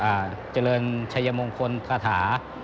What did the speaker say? แล้วก็จะมีการสวดมนตร์เจริญชัยมงคลคาถา